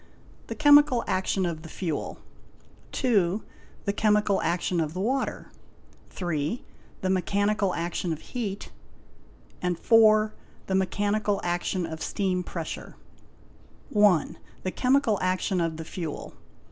The chemical action of the fuel. 8B. The chemical action of the water. y. The mechanical action of heat. 6. The mechanical action of steam pressure. a. Chemical action of the fuel.